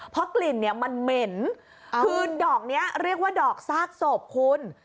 เพราะกลิ่นเนี่ยมันเหม็นคือดอกนี้เรียกว่าดอกซากศพคุณ